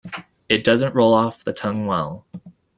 It doesn't roll off the tongue well.